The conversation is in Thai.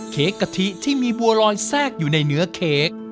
กะทิที่มีบัวลอยแทรกอยู่ในเนื้อเค้ก